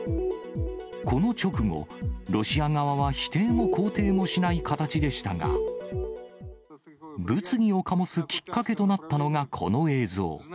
この直後、ロシア側は否定も肯定もしない形でしたが、物議をかもすきっかけとなったのが、この映像。